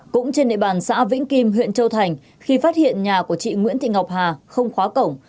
cũng trên địa bàn xã vĩnh kim huyện châu thành khi phát hiện nhà của chị nguyễn thị ngọc hà không khóa cổng